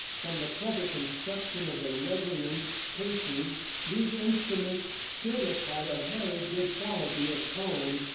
From the clever construction of the resonance cases these instruments should have had a very good quality of tone.